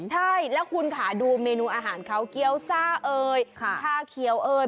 ใช่แล้วคุณค่ะดูเมนูอาหารเขาเกี้ยวซ่าเอ่ยชาเขียวเอ่ย